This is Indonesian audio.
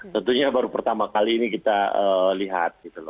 tentunya baru pertama kali ini kita lihat